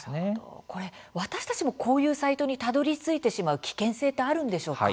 これ、私たちもこういうサイトにたどりついてしまう危険性ってあるんでしょうか。